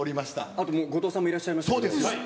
あと後藤さんもいらっしゃいそうですよ。